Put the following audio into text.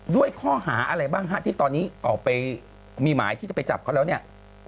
ด้วยข้อหาอะไรบ้างฮะที่ตอนนี้ออกไปมีหมายที่จะไปจับเขาแล้วเนี่ย